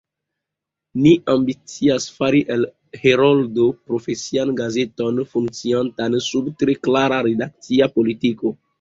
Ni ambicias fari el Heroldo profesian gazeton, funkciantan sub tre klara redakcia politiko.